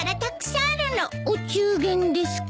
お中元ですか。